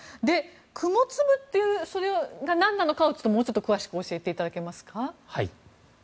雲粒というのが何なのかをもうちょっと詳しく教えていただけますか？